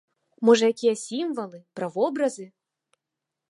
Можа якія сімвалы, правобразы?